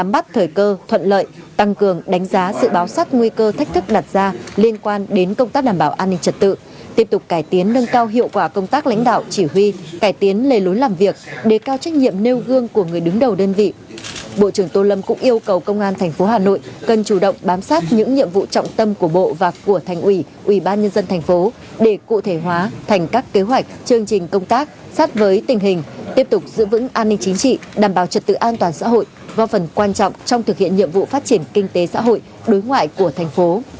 bộ trưởng tô lâm cũng yêu cầu công an tp hà nội cần chủ động bám sát những nhiệm vụ trọng tâm của bộ và của thành ủy ubnd tp để cụ thể hóa thành các kế hoạch chương trình công tác sát với tình hình tiếp tục giữ vững an ninh chính trị đảm bảo trật tự an toàn xã hội góp phần quan trọng trong thực hiện nhiệm vụ phát triển kinh tế xã hội đối ngoại của tp